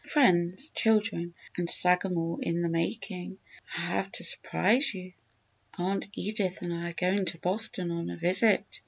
"Friends, children, and Sagamore in the making! I have to surprise you! Aunt Edith and I are going to Boston on a visit.